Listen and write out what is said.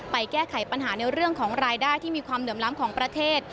แก้ไขปัญหาในเรื่องของรายได้ที่มีความเหลื่อมล้ำของประเทศ